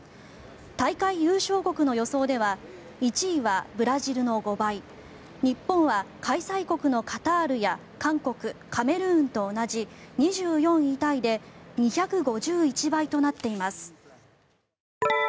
大会優勝国の予想では１位はブラジルの５倍日本は開催国のカタールや韓国、カメルーンと同じ２４位タイで２５１倍となっています。